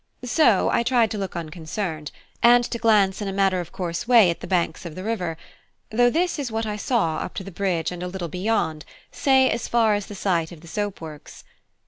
So I tried to look unconcerned, and to glance in a matter of course way at the banks of the river, though this is what I saw up to the bridge and a little beyond; say as far as the site of the soap works.